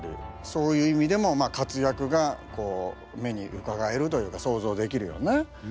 そういう意味でも活躍が目にうかがえるというか想像できるよね。